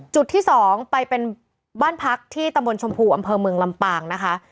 จุดที่๒ไปเป็นบ้านพักที่ตำบลชมพูอำเภอเมืองลำปางนะคะ